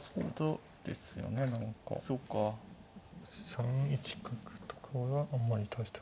３一角とかはあんまり大した。